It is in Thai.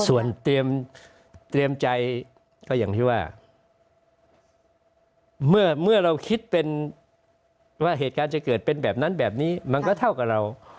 ส่วนเตรียมใจก็อย่างที่ว่าเมื่อเราคิดเป็นว่าเหตุการณ์จะเกิดเป็นแบบนั้นแบบนี้มันก็เท่ากับเรา